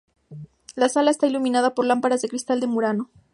La sala está iluminada por lámparas de cristal de Murano.